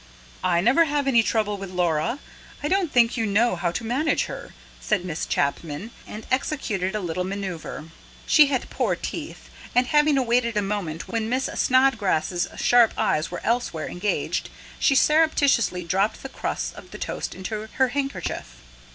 "I never have any trouble with Laura. I don't think you know how to manage her," said Miss Chapman, and executed a little manoeuvre. She had poor teeth; and, having awaited a moment when Miss Snodgrass's sharp eyes were elsewhere engaged, she surreptitiously dropped the crusts of the toast into her handkerchief.